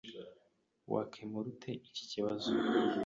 Wakemura ute iki kibazo?